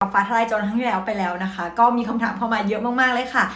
ฟาธรายโจรขึ้นไปแล้วมีคำถามเขามาเยอะมากเลยค่ะ